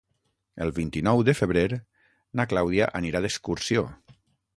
El vint-i-nou de febrer na Clàudia anirà d'excursió.